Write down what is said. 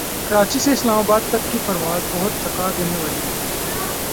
کراچی سے اسلام آباد تک کی پرواز بہت تھکا دینے والی ہے